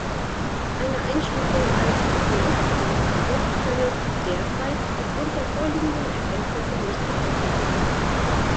Eine Einstufung als „Beobachtungsobjekt“ könne „derzeit“ aufgrund der vorliegenden Erkenntnisse nicht getroffen werden.